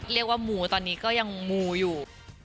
เรียกว่าหมูตอนนี้ก็ยังหมูอยู่